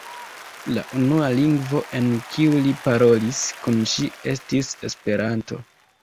La unua lingvo, en kiu li parolis kun ŝi, estis Esperanto.